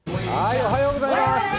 おはようございます。